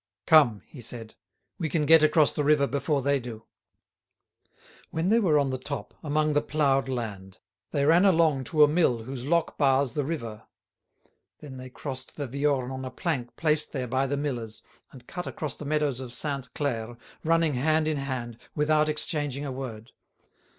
"Come," he said; "we can get across the river before they do." When they were on the top, among the ploughed land, they ran along to a mill whose lock bars the river. Then they crossed the Viorne on a plank placed there by the millers, and cut across the meadows of Sainte Claire, running hand in hand, without exchanging a word.